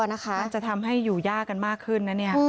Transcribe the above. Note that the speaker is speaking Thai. มันจะทำให้อยู่ยากกันมากขึ้น